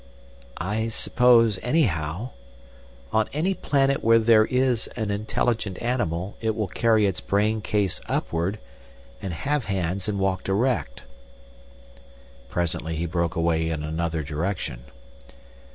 "I suppose, anyhow—on any planet where there is an intelligent animal—it will carry its brain case upward, and have hands, and walk erect." Presently he broke away in another direction.